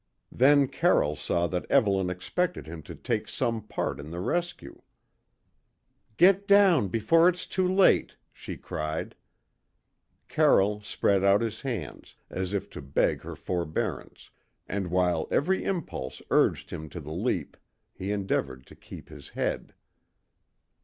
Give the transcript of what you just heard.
Then Carroll saw that Evelyn expected him to take some part in the rescue. "Get down before it's too late!" she cried. Carroll spread out his hands, as if to beg her forbearance, and while every impulse urged him to the leap he endeavoured to keep his head.